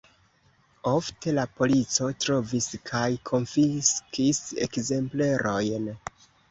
Ofte la polico trovis kaj konfiskis ekzemplerojn.